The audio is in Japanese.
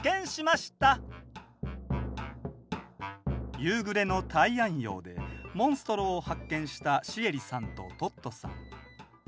夕暮れのたいあん洋でモンストロを発見したシエリさんとトットさん。